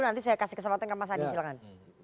nanti saya kasih kesempatan ke mas adi silahkan